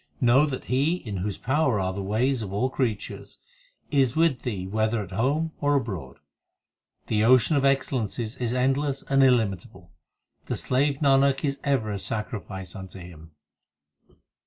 Know that He in whose power are the ways of all creatures, Is with thee whether at home or abroad. The Ocean of excellences is endless and illimitable ; The slave Nanak is ever a sacrifice unto Him.